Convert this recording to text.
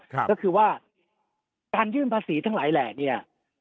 ก็คือว่าการยื่นภาษีทั้งหลายแหล่เนี่ย